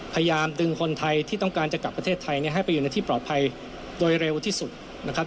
พยายามดึงคนไทยที่ต้องการจะกลับประเทศไทยให้ไปอยู่ในที่ปลอดภัยโดยเร็วที่สุดนะครับ